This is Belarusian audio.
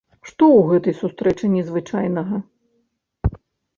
Што ў гэтай сустрэчы незвычайнага?